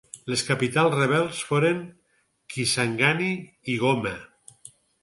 Les capitals rebels foren Kisangani i Goma.